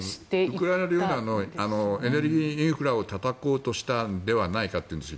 ウクライナ領内のエネルギーインフラをたたこうとしたんじゃないかというんです。